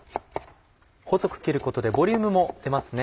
細く切ることでボリュームも出ますね。